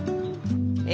え